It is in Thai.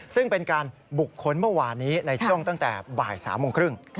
ซึ่งเป็นการบุคคลเมื่อวานนี้ในช่วงตั้งแต่บ่าย๓โมงครึ่ง